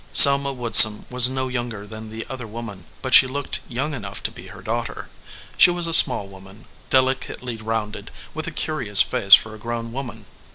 Selma Woodsum was no younger than the other woman, but she looked young enough to be her daughter. She was a small woman, delicately rounded, with a curious face for a grown woman.